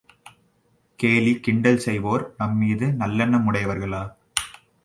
கேலி, கிண்டல் செய்வோர் நம்மீது நல்லெண்ணம் உடையவர்களா?